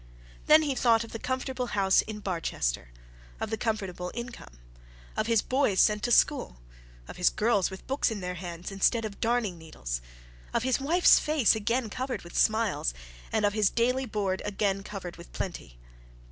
Then he thought of the comfortable house in Barchester, of the comfortable income, of his boys sent to school, of the girls with books in their hands instead of darning needles, of his wife's face again covered with smiles, and of his daily board again covered with plenty.